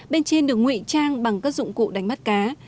bên trên được ngụy trang bằng các dụng cụ đánh mắt cá